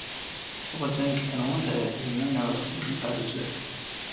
افغانستان کې تنوع د نن او راتلونکي لپاره ارزښت لري.